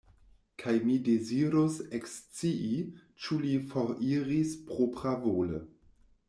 Kaj mi dezirus ekscii, ĉu li foriris propravole.